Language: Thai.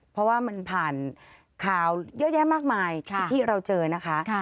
เพราะว่ามันผ่านข่าวเยอะแยะมากมายที่เราเจอนะคะ